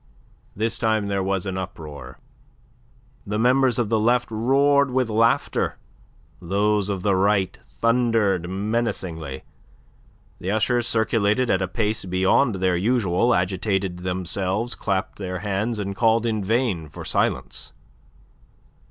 This time there was uproar. The members of the Left roared with laughter, those of the Right thundered menacingly. The ushers circulated at a pace beyond their usual, agitated themselves, clapped their hands, and called in vain for silence.